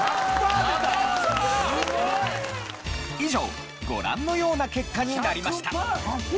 以上ご覧のような結果になりました。